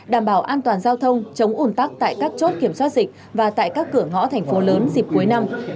đảm bảo an toàn giao thông chống ủn tắc tại các chốt kiểm soát dịch và tại các cửa ngõ thành phố lớn dịp cuối năm